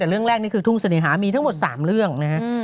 แต่เรื่องแรกนี้ถุงสนิษฐ์มีทั้งหมดสามเรื่อง